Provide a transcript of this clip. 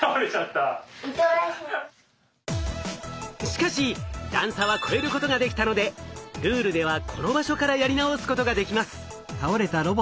しかし段差は越えることができたのでルールではこの場所からやり直すことができます。